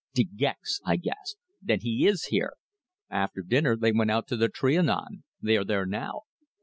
"De Gex!" I gasped. "Then he is here!" "After dinner they went out to the Trianon. They are there now."